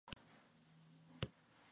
Fueron padres de dos hijas y dos hijos.